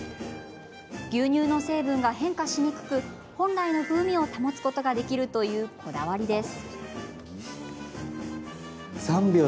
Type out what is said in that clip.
牛乳の成分が変化しにくく本来の風味を保つことができるというこだわりです。